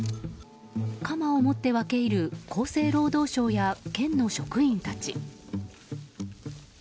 鎌を持って分け入る厚生労働省や県の職員たち。